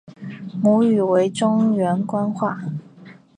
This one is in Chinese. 母语为中原官话。